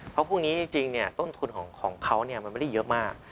เพราะพวกนี้จริงต้นทุนของเขามันไม่ได้เยอะมาก